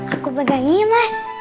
aku pegang ini mas